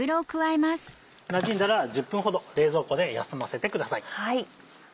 なじんだら１０分ほど冷蔵庫で休ませてください。